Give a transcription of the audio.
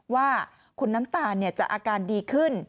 ว่าคุณน้ำตาลจะอาการดีขึ้น